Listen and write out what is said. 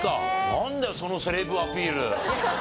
なんだよそのセレブアピール。